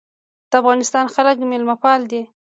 د افغانستان خلک میلمه پال دي